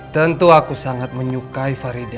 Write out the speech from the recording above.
tentu aku sangat menyukai farida